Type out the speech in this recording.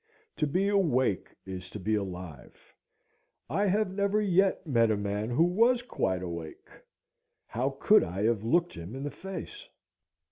To be awake is to be alive. I have never yet met a man who was quite awake. How could I have looked him in the face?